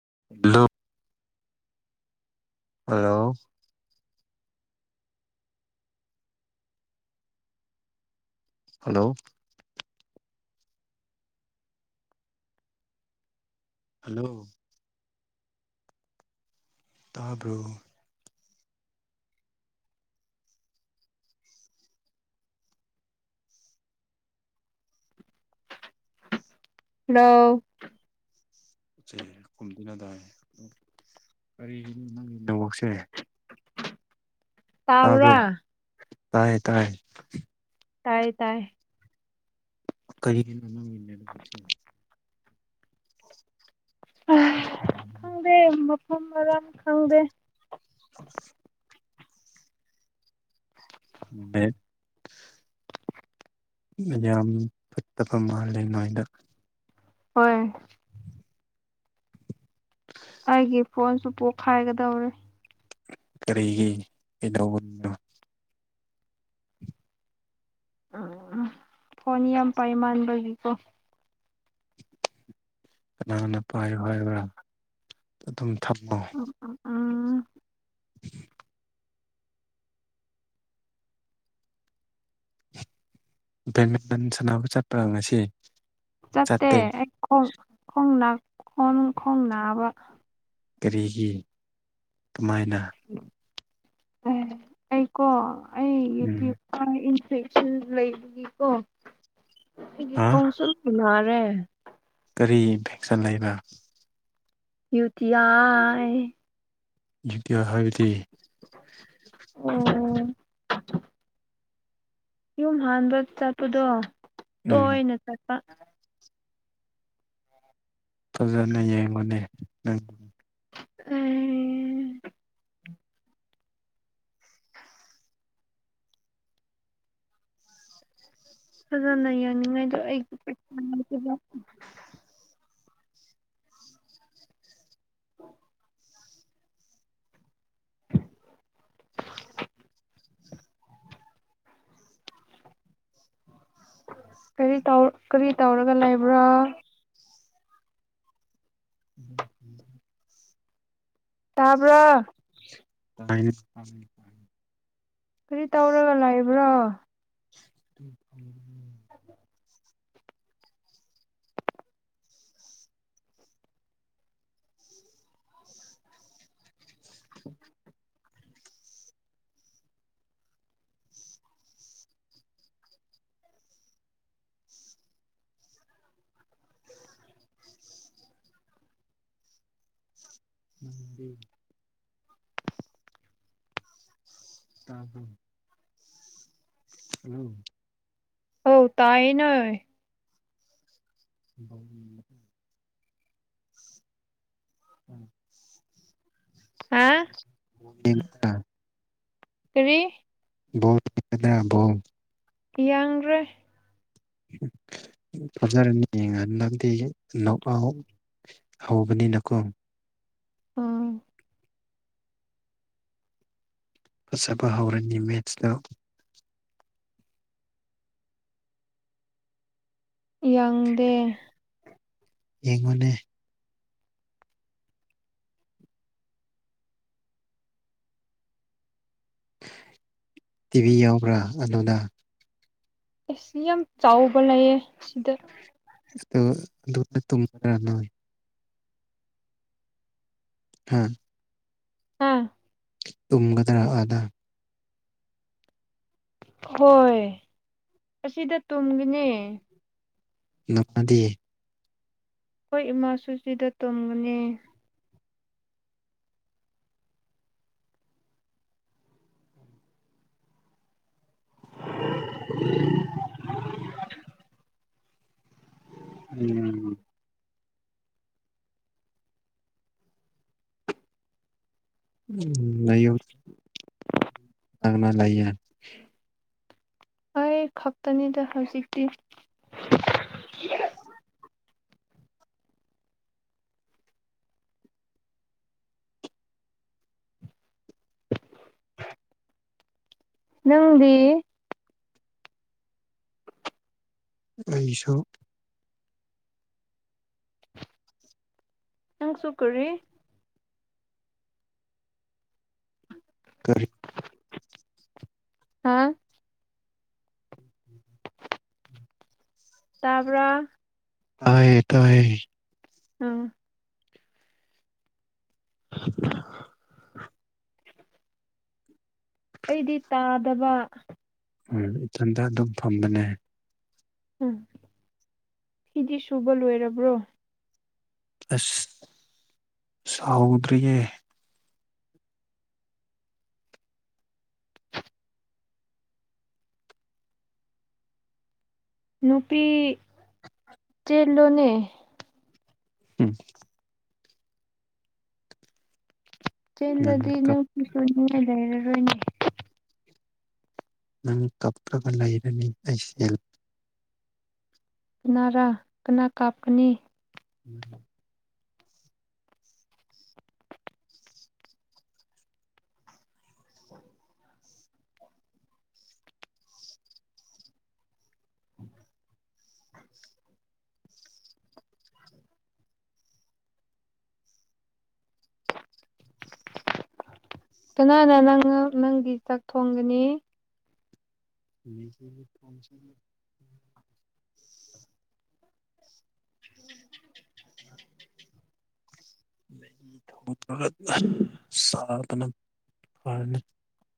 [unintelligible] hello hello hello ꯇꯥꯕ꯭ꯔꯣ ꯂꯣ ꯆꯩꯌꯦ [unintelligible] ꯀꯔꯤꯒꯤꯅꯣ ꯅꯪꯒꯤ ꯅꯦꯠꯋꯥꯛꯁꯦ ꯇꯥꯕ꯭ꯔꯥ ꯇꯥꯕ꯭ꯔꯣ ꯇꯥꯏꯌꯦ ꯇꯥꯏꯌꯦ ꯇꯥꯏꯌꯦ ꯇꯥꯏ ꯀꯔꯤꯒꯤꯅꯣ ꯅꯪꯒꯤ ꯅꯦꯠꯋꯥꯛꯁꯦ ꯈꯪꯗꯦ ꯃꯐꯝ ꯃꯔꯥꯡ ꯈꯪꯗꯦ ꯃꯦ ꯌꯥꯝ ꯐꯠꯇꯕ ꯃꯥꯜꯂꯦ ꯅꯣꯏꯗ ꯍꯣꯏ ꯑꯩꯒꯤ ꯐꯣꯟꯁꯨ ꯄꯣꯛꯈꯥꯏꯒꯗꯧꯔꯦ ꯀꯔꯤꯒꯤ ꯀꯩꯗꯧꯕꯒꯤꯅꯣ ꯐꯣꯟ ꯌꯥꯝ ꯄꯥꯏꯃꯥꯟꯕꯒꯤꯀꯣ ꯀꯅꯥꯅ ꯄꯥꯏꯌꯣ ꯍꯥꯏꯕ꯭ꯔꯥ ꯑꯗꯨꯝ ꯊꯝꯃꯣ [inaudible] ꯕꯦꯠꯃꯤꯟꯇꯟ ꯁꯥꯟꯅꯕ ꯆꯠꯄ꯭ꯔꯥ ꯉꯁꯤ ꯆꯠꯇꯦ ꯑꯩ ꯈꯣꯡ ꯈꯣꯡꯅꯥꯛ ꯈꯣꯡ ꯈꯣꯡꯅꯥꯕ ꯀꯔꯤꯒꯤ ꯀꯃꯥꯏꯅ ꯑꯦ ꯑꯩꯀꯣ ꯑꯩ ꯌꯨ ꯄꯤ ꯎꯝ ꯌꯨ ꯑꯥ ꯏꯟ ꯕꯦꯛꯁꯤꯟ ꯂꯩꯕꯒꯤꯀꯣ ꯑꯩꯒꯤ ꯍꯥ ꯈꯣꯡꯁꯦ ꯅꯥꯔꯦ ꯀꯔꯤ ꯏꯟꯐꯦꯛꯁꯟ ꯂꯩꯕ꯭ꯔꯥ ꯌꯨꯇꯤꯌꯥ ꯍꯥꯏ ꯖꯨ ꯇꯤ ꯌꯥ ꯍꯥꯏꯕꯗꯤ ꯎꯝ ꯌꯨꯝ ꯍꯥꯟꯕ ꯆꯠꯄꯗꯣ ꯎꯝ ꯇꯣꯏꯅ ꯆꯠꯄ ꯐꯖꯅ ꯌꯦꯡꯉꯨꯅꯦ ꯅꯪ ꯑꯩ ꯐꯖꯅ ꯌꯥꯅꯤꯡꯉꯥꯏꯗꯨ ꯑꯩ ꯄꯩꯁꯥ ꯂꯩꯇꯕ [inaudible] ꯀꯔꯤ ꯇꯧ ꯀꯔꯤ ꯇꯧꯔꯒ ꯂꯩꯕ꯭ꯔꯥ [inaudible] ꯇꯥꯕ꯭ꯔꯥ [unintelligible] ꯀꯔꯤ ꯇꯧꯔꯒ ꯂꯩꯕ꯭ꯔꯣ [unintelligible] [inaudible] [inaudible] ꯅꯪꯗꯤ ꯇꯥꯕ꯭ꯔꯣ ꯍꯜꯂꯣ ꯍꯣꯏ ꯇꯥꯏꯌꯦ ꯅꯥꯏ [inaudible] [inaudible] ꯍꯥ [unintelligible] ꯀꯔꯤ ꯕꯣꯡ [unintelligible] ꯌꯥꯡꯒ꯭ꯔꯦ [unintelligible] ꯍꯧꯕꯅꯤꯅꯀꯣ ꯑꯥ ꯐꯖꯕ ꯍꯧꯔꯦꯟꯅꯤ ꯃꯦꯠꯁꯇ ꯌꯥꯡꯗꯦ ꯌꯦꯡꯉꯣꯅꯦ ꯇꯤꯚꯤ ꯌꯥꯎꯕ꯭ꯔꯥ ꯑꯗꯨꯗ ꯑꯦ ꯁꯤ ꯌꯥꯝ ꯆꯥꯎꯕ ꯂꯩꯌꯦ ꯁꯤꯗ ꯑꯁꯇꯨ ꯑꯗꯨ ꯇꯨꯝꯕꯔꯥ ꯅꯣꯏ ꯍꯥ ꯑꯥ ꯇꯨꯝꯒꯗ꯭ꯔꯥ ꯑꯥꯗ ꯍꯣꯏ ꯑꯁꯤꯗ ꯇꯨꯝꯒꯅꯤ [unintelligible] ꯍꯣꯏ ꯏꯃꯥ ꯁꯨ ꯁꯤꯗ ꯇꯨꯝꯒꯅꯤ [inaudible] [unintelligible] [unintelligible] ꯅꯌꯨꯝ ꯀꯅꯥ ꯀꯅꯥ ꯂꯩꯌꯦ ꯑꯩ ꯈꯛꯇꯅꯤꯗ ꯍꯧꯖꯤꯛꯇꯤ ꯅꯪꯗꯤ ꯑꯩꯁꯨ ꯅꯪꯁꯨꯨ ꯀꯔꯤ ꯀꯔꯤ ꯍꯥ ꯇꯥꯕ꯭ꯔꯥ ꯇꯥꯏꯌꯦ ꯇꯥꯏ ꯎꯝ [inaudible] ꯑꯩꯗꯤ ꯇꯥꯗꯕ ꯎꯝ ꯏꯊꯟꯇ ꯗꯨꯝ ꯐꯝꯕꯅꯦ ꯎꯝ ꯐꯤꯗꯤ ꯁꯨꯕ ꯂꯣꯏꯔꯕ꯭ꯔꯣ ꯑꯁ ꯁꯥꯎꯗ꯭ꯔꯤꯌꯦ ꯅꯨꯄꯤ [inaudible] ꯆꯦꯜꯂꯣꯅꯦ ꯎꯝ ꯅꯪ ꯀꯞ [unintelligible] [unintelligible] ꯀꯅꯥꯔꯥ ꯀꯅꯥ ꯀꯥꯞꯀꯅꯤ [unintelligible] [inaudible] ꯇꯨꯅꯥꯅ ꯅꯪ ꯅꯪꯒꯤ ꯆꯥꯛ ꯊꯣꯡꯒꯅꯤ [inaudible] [inaudible] [unintelligible]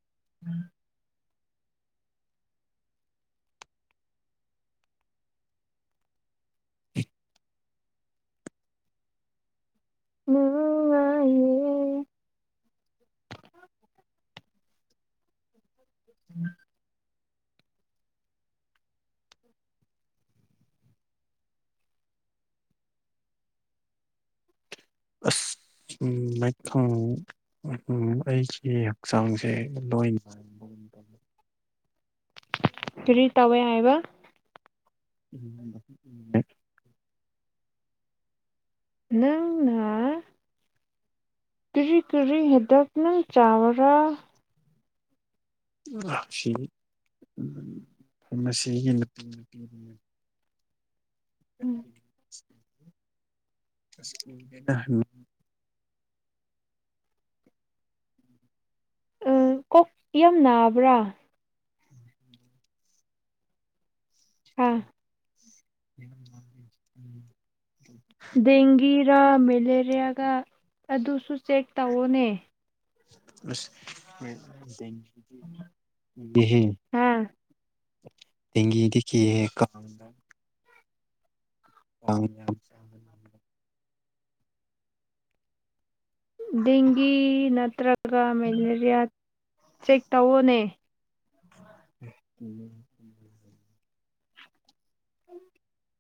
[unintelligible] ꯑꯁ ꯎꯝ ꯃꯊꯪ ꯑꯩꯒꯤ ꯍꯛꯆꯥꯡꯁꯦ ꯂꯣꯏꯅ [inaudible] ꯀꯔꯤ ꯇꯧꯋꯦ ꯍꯥꯏꯕ [unintelligible] ꯅꯪꯅ ꯀꯔꯤ ꯀꯔꯤ ꯍꯤꯗꯥꯛꯅ ꯆꯕꯔꯥ [unintelligible] ꯎꯝ [unintelligible] ꯑ ꯀꯣꯛ ꯌꯥꯝ ꯅꯥꯕ꯭ꯔꯥ ꯑꯥ [unintelligible] ꯗꯦꯡꯒꯤꯔꯥ ꯃꯦꯂꯦꯔꯤꯌꯥꯒ ꯑꯗꯨꯁꯨ ꯆꯦꯛ ꯇꯧꯑꯣꯅꯦ ꯑꯁ ꯕꯤꯍꯤ ꯍꯥ ꯗꯦꯡꯒꯤꯗꯤ ꯀꯤꯌꯦ ꯀꯣ [unintelligible] ꯗꯦꯡꯒꯤ ꯅꯠꯇ꯭ꯔꯒ ꯃꯦꯂꯦꯔꯤꯌꯥ ꯆꯦꯛ ꯇꯋꯣꯅꯦ ꯎꯝ [inaudible]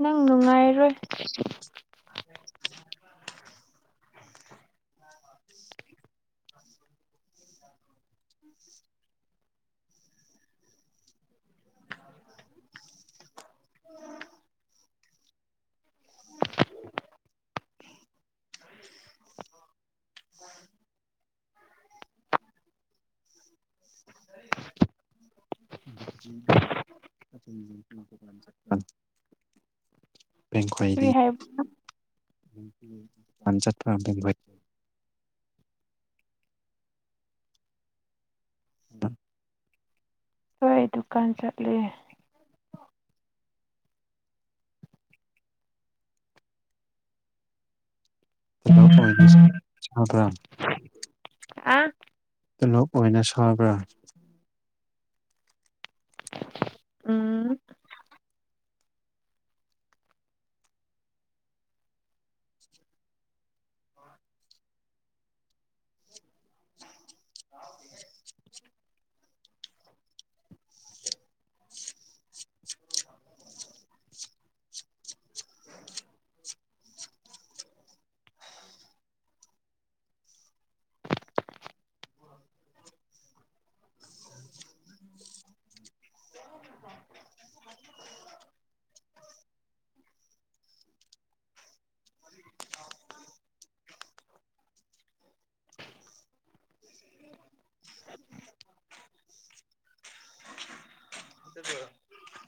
ꯅꯪ ꯅꯨꯡꯉꯥꯏꯔꯣꯏ [inaudible] [inaudible] ꯎꯝ [unintelligible] ꯀꯔꯤ ꯍꯥꯏꯕ [unintelligible] [unintelligible] ꯍꯣꯏ ꯗꯨꯀꯥꯟ ꯆꯠꯂꯦ ꯑꯗꯨ ꯑꯣꯏꯕꯁꯦ [unintelligible] ꯑꯥ ꯇꯣꯂꯣꯞ ꯑꯣꯏꯅ ꯁꯥꯕ꯭ꯔꯥ ꯎꯝ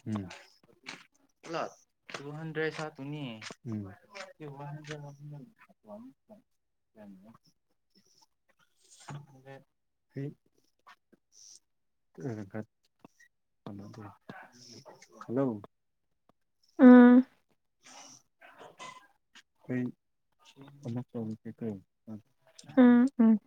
ꯎꯝ ꯭ꯗꯔꯦꯁ ꯍꯞꯄꯨꯅꯤ ꯎꯝ ꯑꯩ ꯍꯜꯂꯣ ꯎꯝ ꯑꯩ ꯑꯃꯨꯛ ꯇꯧꯔꯛꯀꯦꯀꯣ ꯎꯝ ꯎꯝ